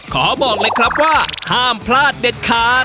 ขอบอกเลยครับว่าห้ามพลาดเด็ดขาด